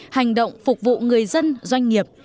hành động phục vụ người dân doanh nghiệp